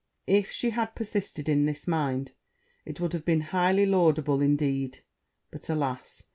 If she had persisted in this mind, it would have been highly laudable indeed: but, alas!